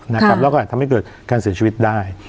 แล้วก็อาจทำให้เกิดการเสียชีวิตได้